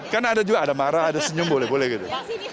kan ada juga ada marah ada senyum boleh boleh gitu